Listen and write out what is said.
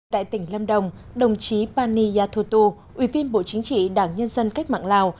tại tỉnh lâm đồng đồng chí pani yathutu ủy viên bộ chính trị đảng nhân dân cách mạng lào